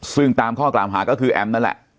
ซึ่งตามข้อกล่าวหาก็คือแอมนั่นแหละ